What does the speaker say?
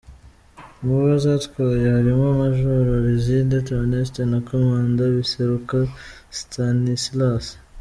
Mubo zatwaye harimo Majoro Lizinde Theoneste na Komanda Biseruka Stanislasi.